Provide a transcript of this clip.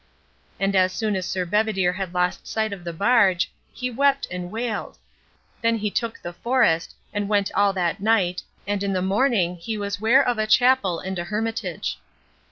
And as soon as Sir Bedivere had lost sight of the barge, he wept and wailed; then he took the forest, and went all that night, and in the morning he was ware of a chapel and a hermitage.